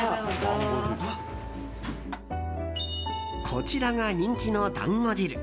こちらが人気のだんご汁。